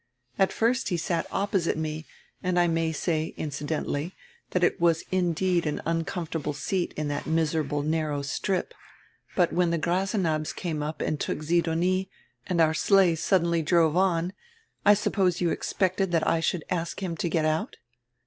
At first he sat opposite me, and I may say, incidentally, diat it was indeed an uncomfortable seat on diat miserable narrow strip, but when die Grasenabbs came up and took Sidonie, and our sleigh suddenly drove on, I suppose you expected diat I should ask him to get out!